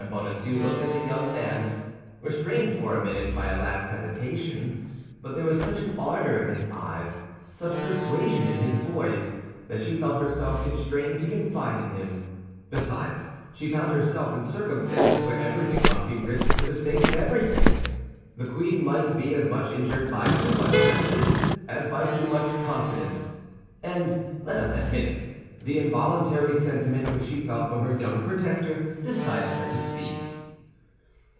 Bonacieux looked at the young man, restrained for a minute by a last hesitation; but there was such an ardor in his eyes, such persuasion in his voice, that she felt herself constrained to confide in him. Besides, she found herself in circumstances where everything must be risked for the sake of everything. The queen might be as much injured by too much reticence as by too much confidence; and—let us admit it—the involuntary sentiment which she felt for her young protector decided her to speak.